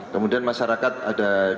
kemudian masyarakat ada dua